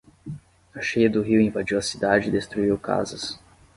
A cheia do rio invadiu a cidade e destruiu casas